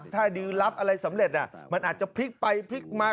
ถ้าดีรับอะไรสำเร็จมันอาจจะพลิกไปพลิกมา